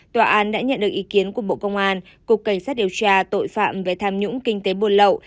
tòa án đã nhận được ý kiến của bộ công an cục cảnh sát điều tra tội phạm về tham nhũng kinh tế buôn lậu